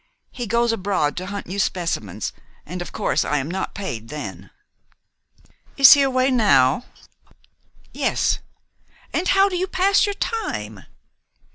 He goes abroad to hunt new specimens, and of course I am not paid then." "Is he away now?" "Yes." "And how do you pass your time?"